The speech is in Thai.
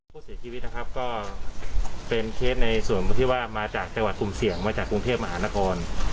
ผู้เสียชีวิตนะครับก็เป็นเคสในส่วนที่ว่ามาจากจังหวัดกลุ่มเสี่ยงมาจากกรุงเทพมหานคร